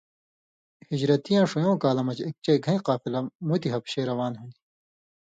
ہِجرتیۡ یاں ݜوۡیوں کالہ مژ اېک چئ گَھیں قافلہ مُتیۡ حبشے روان ہون٘دیۡ؛